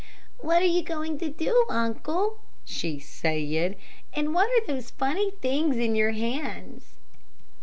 "What are you going to do, uncle?" she said; "and what are those funny things in your hands?"